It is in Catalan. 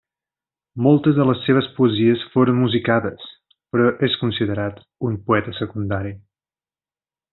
Moltes de les seves poesies foren musicades, però és considerat un poeta secundari.